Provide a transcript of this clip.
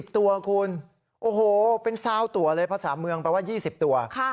ตัวคุณโอ้โหเป็นซาวตัวเลยภาษาเมืองแปลว่า๒๐ตัว